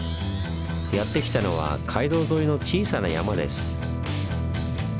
やって来たのは街道沿いの小さな山です。